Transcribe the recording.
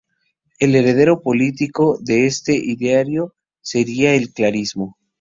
El heredero político de este ideario sería el carlismo.